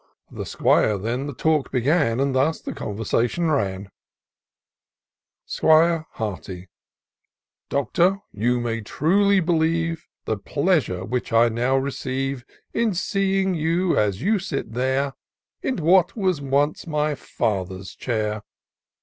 The 'Squire then the talk began. And thus the conversation ran :— 'Squire Hearty. " Doctor, you truly may believe The pleasure which I now receive In seeing you, as you sit there. On what was once my father's chair.